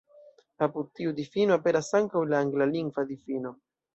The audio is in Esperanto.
Apud tiu difino aperas ankaŭ la anglalingva difino.